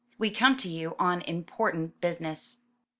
''We come to you on important business."